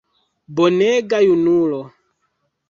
Bonega junulo!